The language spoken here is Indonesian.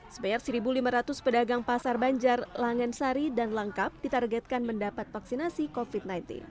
sebanyak satu lima ratus pedagang pasar banjar langensari dan langkap ditargetkan mendapat vaksinasi covid sembilan belas